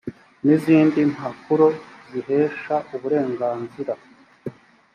n izindi mpapuro zihesha uburenganzira